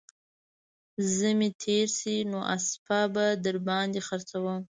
زمى تېر سي نو اسپه به در باندې خرڅوم